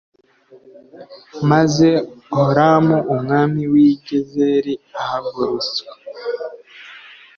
Maze Horamu umwami w i Gezeri ahagurutswa